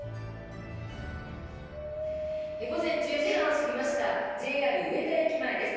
午前１０時半を過ぎましたＪＲ上田駅前です。